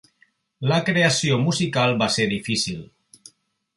La creació musical va ser difícil.